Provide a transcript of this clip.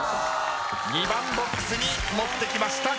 ２番ボックスに持ってきました。